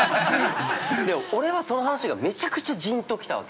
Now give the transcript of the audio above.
でも、俺は、その話がめちゃくちゃじーんと来たわけ。